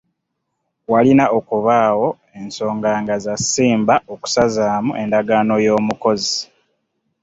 Walina okubaawo ensonga nga za ssimba okusazaamu endagaano y'omukozi.